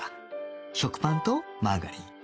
食パンとマーガリン